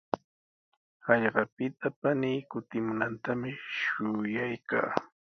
Hallqapita panii kutimunantami shuyaykaa.